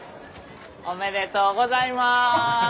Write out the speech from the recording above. おめでとうございます！